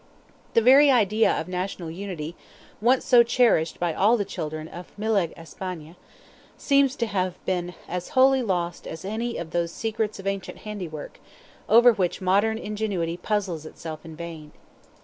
The very idea of national unity, once so cherished by all the children of Miledh Espaigne, seems to have been as wholly lost as any of those secrets of ancient handiwork, over which modern ingenuity puzzles itself in vain.